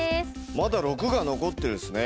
まだ６が残ってるんですね